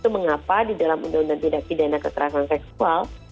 mengapa di dalam undang undang tidak pidana kekerasan seksual